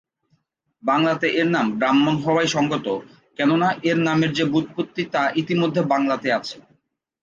বাংলাতে এর নাম ব্রাহ্মণ হওয়াই সঙ্গত, কেননা এর নামের যে ব্যুৎপত্তি তা ইতিমধ্যে বাংলাতে আছে।